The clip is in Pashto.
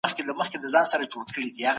انسانان د خپل ژوند په اوږدو کې پلټني کوي.